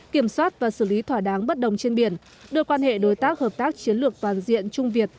kiểm soát và xử lý thỏa đáng bất đồng trên biển đưa quan hệ đối tác hợp tác chiến lược toàn diện trung việt